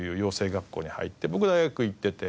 学校に入って僕は大学へ行ってて。